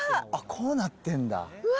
こうなってんだ。